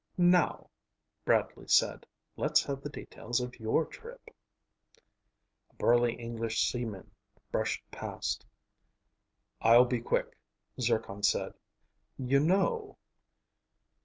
"Now," Bradley said, "let's have the details of your trip." A burly English seaman brushed past. "I'll be quick," Zircon said. "You know...."